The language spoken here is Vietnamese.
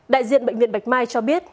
đại diện bệnh viện bạch mai cho biết